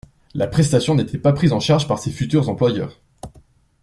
La prestation n’était pas prise en charge par ses futurs employeurs.